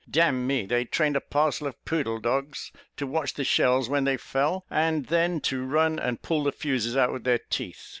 D n me, they trained a parcel of poodle dogs to watch the shells when they fell, and then to run and pull the fuses out with their teeth.